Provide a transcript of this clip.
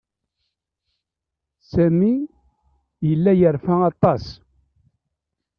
Sami yella yerfa aṭas.